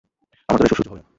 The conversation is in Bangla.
আমার দ্বারা এসব সহ্য হবে না।